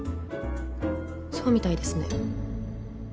そうみたいですね。